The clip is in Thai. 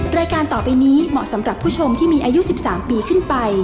รายการต่อไปนี้เหมาะสำหรับผู้ชมที่มีอายุ๑๓ปีขึ้นไป